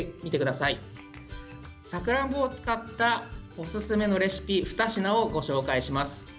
さくらんぼを使ったおすすめのレシピ２品をご紹介します。